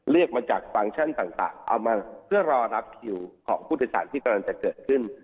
เรียกมาจากฟังก์ชั่นต่างเอามาเพื่อรอรับคิวของผู้โดยสารที่กำลังจะเกิดขึ้น